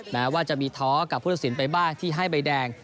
แม้ว่าจะมีท้อกับผู้ตัดสินไปบ้างที่ให้ใบแดง